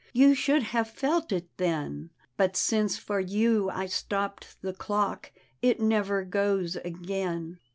You should have felt it then; But since for you I stopped the dock It never goes again."